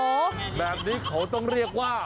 โอ้โหแบบนี้เขาต้องเรียกว่า